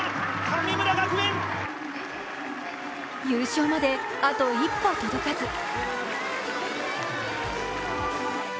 優勝まであと一歩届かず。